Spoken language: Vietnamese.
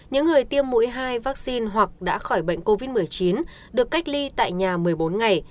những người tiêm mũi hai vaccine hoặc đã khỏi bệnh covid một mươi chín được cách ly tại nhà một mươi bốn ngày